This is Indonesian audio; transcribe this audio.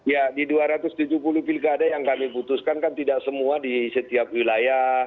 ya di dua ratus tujuh puluh pilkada yang kami putuskan kan tidak semua di setiap wilayah